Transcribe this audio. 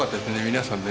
皆さんね。